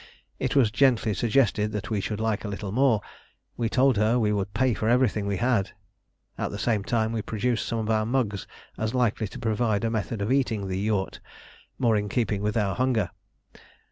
It was gently suggested that we should like a little more; we told her we would pay for everything we had. At the same time we produced some of our mugs as likely to provide a method of eating the "yourt" more in keeping with our hunger.